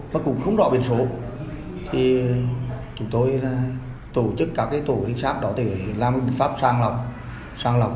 mà cũng không rõ biển số thì chúng tôi tổ chức các tổ hình xác đó để làm một bộ pháp sang lọc